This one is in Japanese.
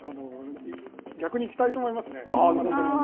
逆に行きたいと思いますね。